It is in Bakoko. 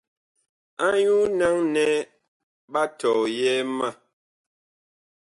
Anyuu naŋ nɛ ɓa tɔyɛɛ ma.